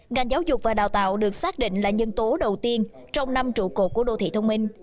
ngành giáo dục và đào tạo được xác định là nhân tố đầu tiên trong năm trụ cột của đô thị thông minh